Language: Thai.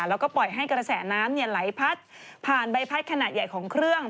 แล้วก็ปล่อยให้กระแสน้ำไหลพัดผ่านใบพัดขนาดใหญ่ของเครื่อง